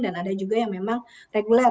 dan ada juga yang memang regular